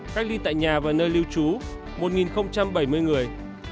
cách ly tại nhà và nơi lưu trú một bảy mươi người